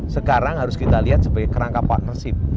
sekarang harus kita lihat sebagai kerangka partnership